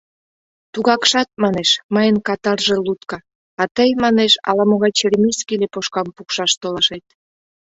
Тугакшат, манеш, мыйын катар желудка, а тый, манеш, ала-могай черемисский лепошкам пукшаш толашет.